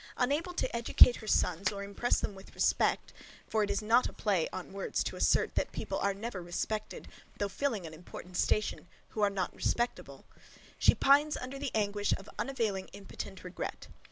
Unable to educate her sons, or impress them with respect; for it is not a play on words to assert, that people are never respected, though filling an important station, who are not respectable; she pines under the anguish of unavailing impotent regret.